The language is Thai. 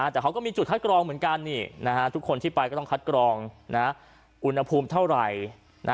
แต่เขาก็มีจุดคัดกรองเหมือนกันทุกคนที่ไปก็ต้องคัดกรองอุณหภูมิเท่าไหร่